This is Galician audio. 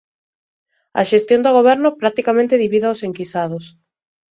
A xestión do Goberno practicamente divide os enquisados.